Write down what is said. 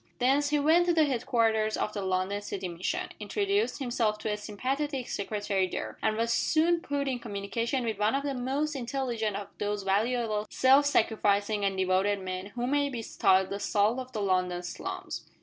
Thence he went to the headquarters of the London City Mission; introduced himself to a sympathetic secretary there, and was soon put in communication with one of the most intelligent of those valuable self sacrificing and devoted men who may be styled the salt of the London slums.